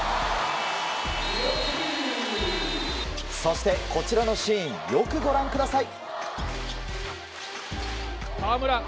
そして、こちらのシーンよくご覧ください。